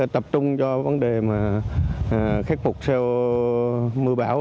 tập trung cho vấn đề khắc phục sau mưa bão